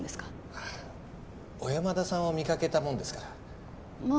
あ小山田さんを見かけたもんですからまあ